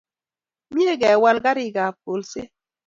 mie kewal karikab kolset.